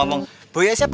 ada apaan sih